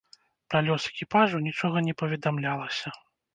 Пра лёс экіпажу нічога не паведамлялася.